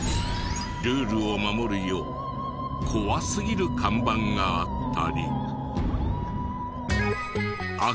ルールを守るよう怖すぎる看板があったり。